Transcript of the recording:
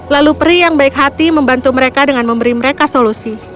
lalu peri yang baik hati membantu mereka dengan memberi mereka solusi